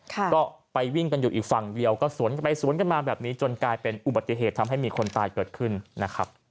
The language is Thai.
ก็ไปวิ่งกันอยู่อีกฝั่งเดียวก็สวนกันไปสวนกันมาแบบนี้จนกลายเป็นอุบัติเหตุทำให้มีคนตายเกิดขึ้นนะครับ